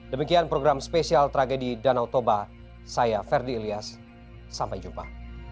demikian program spesial tragedi danau toba saya ferdi ilyas sampai jumpa